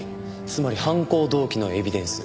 つまり犯行動機のエビデンス。